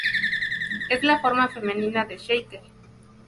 Es la forma femenina de "Shaker".